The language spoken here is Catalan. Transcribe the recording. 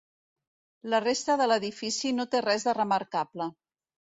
La resta de l'edifici no té res de remarcable.